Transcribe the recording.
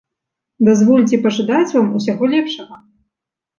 Дазвольце пажадаць вам усяго лепшага.